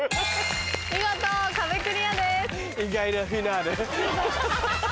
見事壁クリアです。